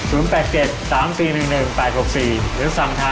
๐๘๗๓๔๑๑๘๖๔หรือสั่งทางไลน์แมนกับลูกวิทูตได้ครับ